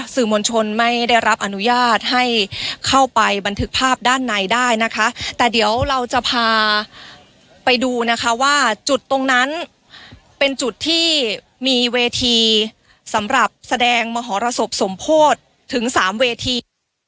สื่อมวลชนไม่ได้รับอนุญาตให้เข้าไปบันทึกภาพด้านในได้นะคะแต่เดี๋ยวเราจะพาไปดูนะคะว่าจุดตรงนั้นเป็นจุดที่มีเวทีสำหรับแสดงมหรสบสมโพธิถึงสามเวที